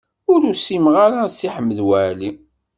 Ur usimeɣ ara deg Si Ḥmed Waɛli.